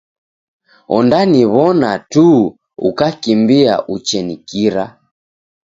Ondaniw'ona tu ukakimbia uchenikira.